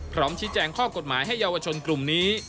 พร้อมชี้แจงข้อกฎหมายให้เยาวชนกลุ่มนี้